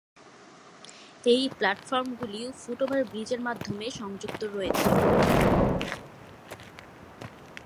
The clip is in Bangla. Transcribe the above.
এই প্ল্যাটফর্মগুলি ফুট ওভার ব্রিজের মাধ্যমে সংযুক্ত রয়েছে।